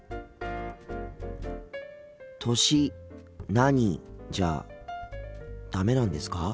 「歳何？」じゃダメなんですか？